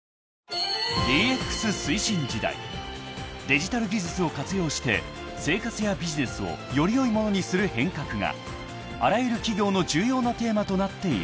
［デジタル技術を活用して生活やビジネスをより良いものにする変革があらゆる企業の重要なテーマとなっている］